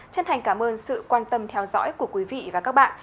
chân thành cảm ơn sự quan tâm theo dõi của quý vị và các bạn